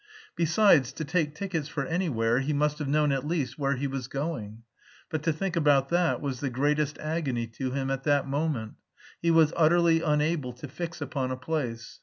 Besides, to take tickets for anywhere he must have known at least where he was going. But to think about that was the greatest agony to him at that moment; he was utterly unable to fix upon a place.